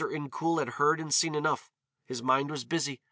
Incoul had heard and seen enough. His mind was busy.